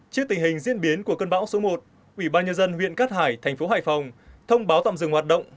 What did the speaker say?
trước tình hình diễn biến của cơn bão số một ủy ban nhân dân huyện cát hải thành phố hải phòng thông báo tạm dừng hoạt động